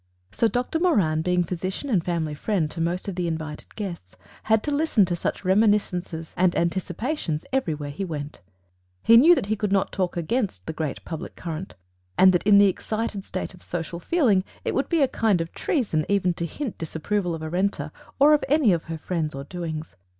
So Doctor Moran, being physician and family friend to most of the invited guests, had to listen to such reminiscences and anticipations wherever he went. He knew that he could not talk against the great public current, and that in the excited state of social feeling it would be a kind of treason even to hint disapproval of Arenta, or of any of her friends or doings.